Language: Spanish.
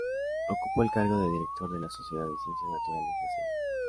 Ocupó el cargo de Director de la Sociedad de Ciencias Naturales La Salle.